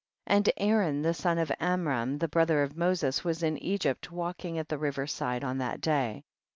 13. And Aaron the son of Amram, the brother of Moses, was in Egypt walking at the river side on that day.